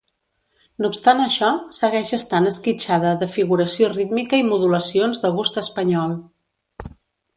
No obstant això, segueix estant esquitxada de figuració rítmica i modulacions de gust espanyol.